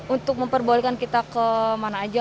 untuk memperbolehkan kita ke mana aja